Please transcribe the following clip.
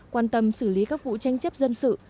quan tâm xử lý các vụ tranh chấp dân sự